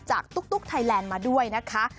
ตุ๊กไทยแลนด์มาด้วยนะคะ